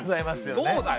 そうだよ！